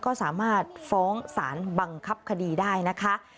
ก็สามารถฟ้องสารบังคับคดีได้นะคะ